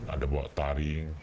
ada bawa taring